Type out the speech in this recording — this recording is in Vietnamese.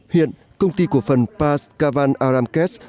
hiện công ty của phần pas kavan aramkes